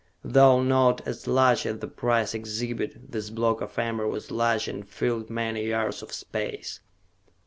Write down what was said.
Though not as large as the prize exhibit, this block of amber was large and filled many yards of space.